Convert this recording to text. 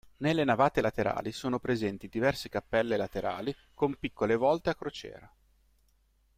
Nelle navate laterali sono presenti diverse cappelle laterali con piccole volte a crociera.